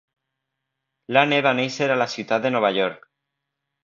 Lane va néixer a la ciutat de Nova York.